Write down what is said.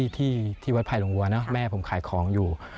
ที่วัดภัยหลงัวนะแม่ผมขายของอยู่